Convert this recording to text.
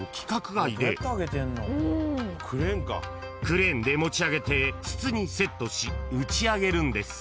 ［クレーンで持ち上げて筒にセットし打ち上げるんです］